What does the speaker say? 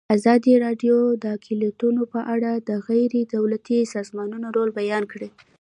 ازادي راډیو د اقلیتونه په اړه د غیر دولتي سازمانونو رول بیان کړی.